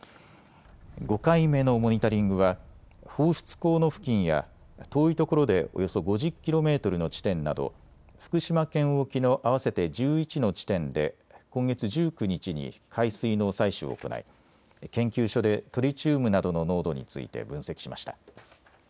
５回目のモニタリングは放出口の付近や遠いところでおよそ５０キロメートルの地点など福島県沖の合わせて１１の地点で今月１９日に海水の採取を行い研究所でトリチウムなどの濃度について分析しました。